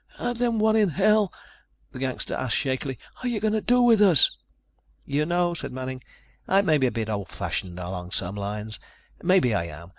"Then what in hell," the gangster asked shakily, "are you going to do with us?" "You know," said Manning, "I may be a bit old fashioned along some lines. Maybe I am.